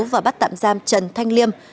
và bắt tạm giam trần thanh liêm